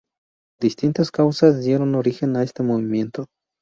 Distintas causas dieron origen a este movimiento.